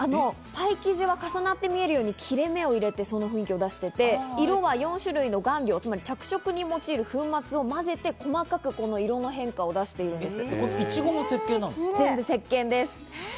パイ生地は重なって見えるように切れ目を入れて、その雰囲気を出していて、色は４種類の顔料、つまり着色に用いる粉末をまぜて細かく色の変化を出しているんです。